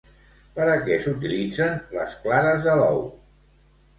Per a què s'utilitzen les clares de l'ou?